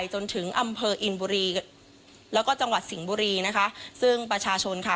จนถึงอำเภออินบุรีแล้วก็จังหวัดสิงห์บุรีนะคะซึ่งประชาชนค่ะ